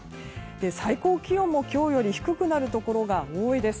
最高気温も今日より低くなるところが多いです。